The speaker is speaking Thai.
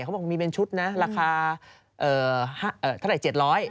เขาบอกมีเป็นชุดนะราคาเท่าไหร่๗๐๐บาท